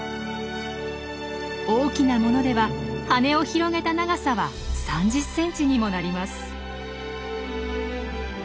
大きなものでは羽を広げた長さは３０ｃｍにもなります。